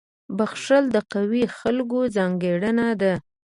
• بخښل د قوي خلکو ځانګړنه ده.